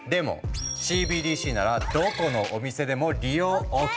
でもＣＢＤＣならどこのお店でも利用ＯＫ。